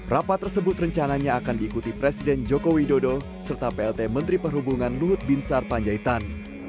rapat tersebut rencananya akan diikuti presiden joko widodo serta plt menteri perhubungan luhut binsar panjaitan